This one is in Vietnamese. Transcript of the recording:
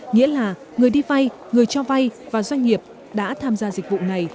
nghĩa là người đi vay người cho vay và doanh nghiệp đã tham gia dịch vụ này